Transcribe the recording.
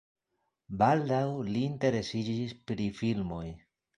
Baldaŭ li interesiĝis pri filmoj.